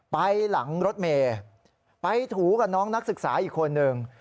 ไปหลังรถเมย์ไปถูกับน้องนักศึกษาอีกคนนึง